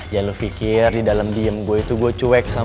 jangan lu pikir di dalam diem gua itu gua cuek sama lu